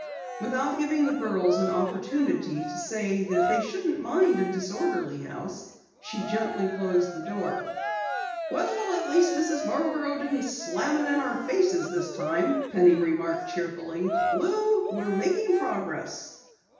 Without giving the girls an opportunity to say that they shouldn't mind a disorderly house, she gently closed the door. "Well, at least Mrs. Marborough didn't slam it in our faces this time," Penny remarked cheerfully. "Lou, we're making progress!"